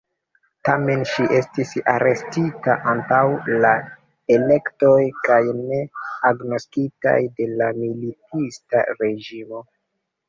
Tamen ŝi estis arestita antaŭ la elektoj kaj ne agnoskitaj de la militista reĝimo.